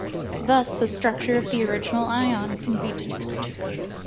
Thus, the structure of the original ion can be deduced.